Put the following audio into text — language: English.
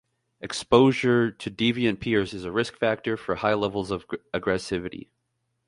Exposure to deviant peers is a risk factor for high levels of aggressivity.